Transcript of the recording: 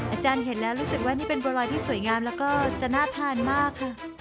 อาจารย์เห็นแล้วรู้สึกว่านี่เป็นบัวรอยที่สวยงามแล้วก็จะน่าทานมากค่ะ